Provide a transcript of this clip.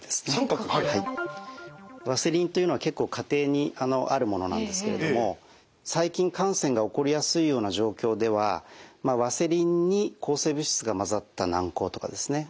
ワセリンというのは結構家庭にあるものなんですけれども細菌感染が起こりやすいような状況ではワセリンに抗生物質が混ざった軟こうとかですね